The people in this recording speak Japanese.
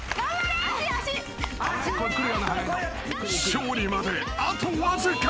［勝利まであとわずか］